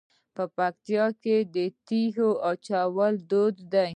په پکتیا کې د تیږې اچول دود دی.